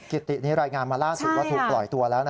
กิตินี้รายงานมาล่าสุดว่าถูกปล่อยตัวแล้ว